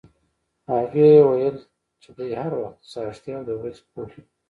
هغې ویل چې دی هر وخت څاښتي او د ورځې خوب کوي.